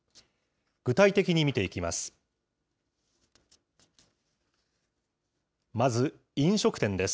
具体的に見ていきます。